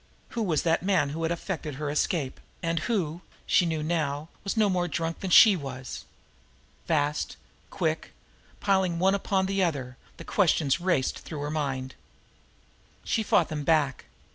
Who was that man who had effected her escape, and who, she knew now, was no more drunk than she was? Fast, quick, piling one upon the other, the questions raced through her mind. She fought them back.